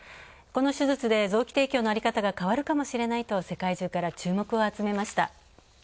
この手術で臓器提供の在り方が変わるかもしれないと世界中から注目を集めました。